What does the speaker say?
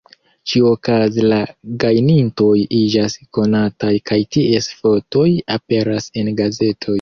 Ĉiuokaze la gajnintoj iĝas konataj kaj ties fotoj aperas en gazetoj.